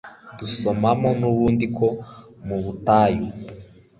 dusomamo n'ubundi ko mu butayu